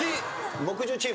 木１０チーム。